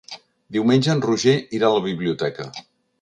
Diumenge en Roger irà a la biblioteca.